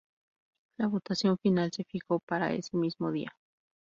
La votación final se fijó para ese mismo día.